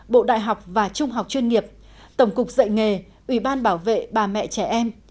bộ đại học và trung học chuyên nghiệp tổng cục dạy nghề ủy ban bảo vệ bà mẹ trẻ em